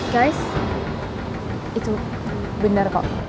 guys itu bener kok